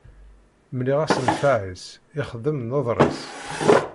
Mliɣ-as nnfeɛ-is, ixdem nneḍṛ-is.